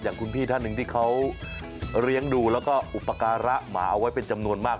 คุณพี่ท่านหนึ่งที่เขาเลี้ยงดูแล้วก็อุปการะหมาเอาไว้เป็นจำนวนมาก